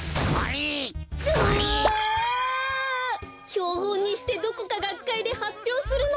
ひょうほんにしてどこかがっかいではっぴょうするのもいいですね。